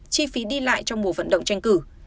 chi phí đi lại trong mùa vận động tranh cử